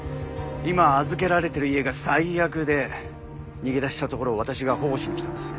今預けられてる家が最悪で逃げ出したところを私が保護しに来たんです。